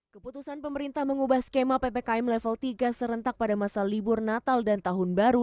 keputusan pemerintah mengubah skema ppkm level tiga serentak pada masa libur natal dan tahun baru